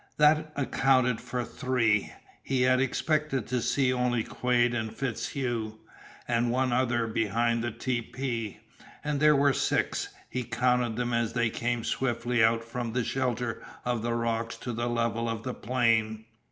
That accounted for three. He had expected to see only Quade, and FitzHugh, and one other behind the tepee. And there were six! He counted them as they came swiftly out from the shelter of the rocks to the level of the plain.